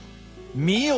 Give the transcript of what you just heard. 見よ！